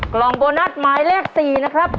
กล่องโบนัสหมายเลข๔นะครับ